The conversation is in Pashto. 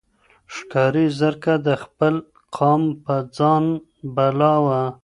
ښکاري زرکه د خپل قام په ځان بلا وه